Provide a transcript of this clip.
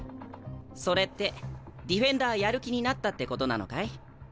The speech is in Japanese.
それってディフェンダーやる気になったってことなのかい？